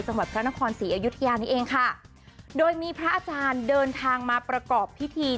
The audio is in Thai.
จังหวัดพระนครศรีอยุธยานี้เองค่ะโดยมีพระอาจารย์เดินทางมาประกอบพิธี